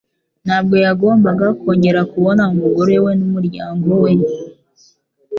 Ntabwo yagombaga kongera kubona umugore we n'umuryango we.